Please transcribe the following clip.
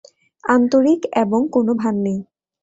আন্তরিক এবং কোনো ভান নেই।